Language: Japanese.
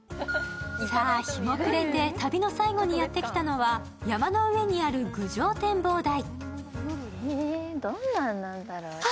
さあ、日も暮れて旅の最後にやってきたのは山の上にある具定展望台。